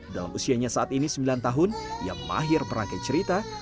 dalam usianya saat ini sembilan tahun ia mahir merangkai cerita